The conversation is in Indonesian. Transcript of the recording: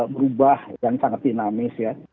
berubah yang sangat dinamis ya